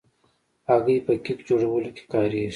هګۍ په کیک جوړولو کې کارېږي.